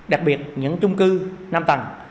đặc biệt những trung cư năm tầng